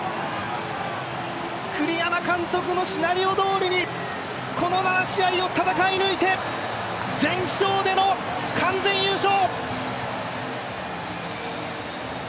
栗山監督のシナリオどおりに、この７試合を戦い抜いて、全勝での完全優勝。